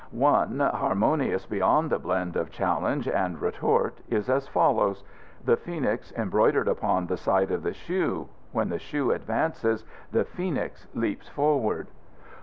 "One, harmonious beyond the blend of challenge and retort, is as follows 'The Phoenix embroidered upon the side of the shoe: When the shoe advances the Phoenix leaps forward.